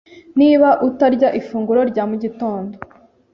Niba utarya ifunguro rya mugitondo,